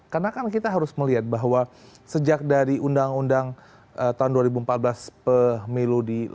karena kan kita harus melihat bahwa sejak dari undang undang tahun dua ribu empat belas pemilu di indonesia